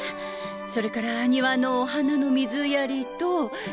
それから庭のお花の水やりとえと。